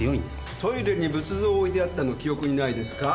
トイレに仏像置いてあったの記憶にないですか？